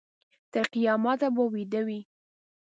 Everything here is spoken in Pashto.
تر قیامته به ویده وي.